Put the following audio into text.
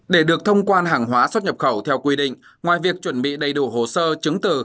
để được thông quan hàng hóa xuất nhập khẩu theo quy định ngoài việc chuẩn bị đầy đủ hồ sơ chứng từ